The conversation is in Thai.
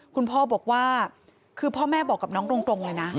คุณพ่อบอกว่าคือพ่อแม่บอกกับน้องตรงเลยนะ